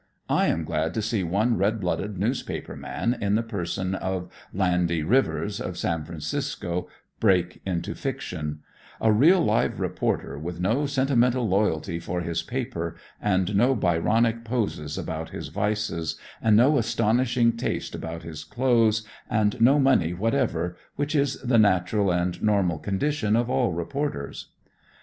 I am glad to see one red blooded newspaper man, in the person of "Landy Rivers," of San Francisco, break into fiction; a real live reporter with no sentimental loyalty for his "paper," and no Byronic poses about his vices, and no astonishing taste about his clothes, and no money whatever, which is the natural and normal condition of all reporters.